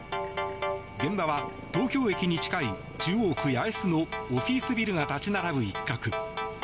現場は東京駅に近い中央区八重洲のオフィスビルが立ち並ぶ一角。